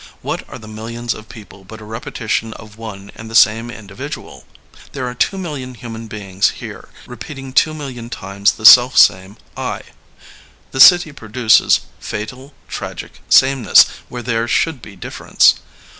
What are the millions of people but a repetition of one and the same indi vidual? There are two million human beings here repeating two million times the self same *I.* '* The city produces fatal, tragic sameness where there should be difference.